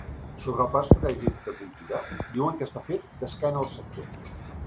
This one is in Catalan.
Sobre el pla estratègic de cultura, diuen que està fet d’esquena al sector.